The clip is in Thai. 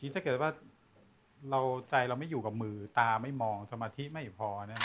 ถ้าเกิดว่าเราใจเราไม่อยู่กับมือตาไม่มองสมาธิไม่พอ